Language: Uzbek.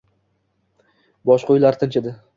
Boshqa uylar tinch edi.